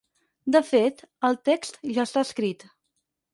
De fet, el text ja està escrit.